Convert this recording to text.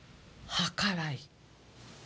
はからい？